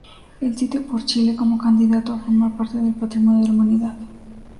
El sitio por Chile como candidato a formar parte del Patrimonio de la Humanidad.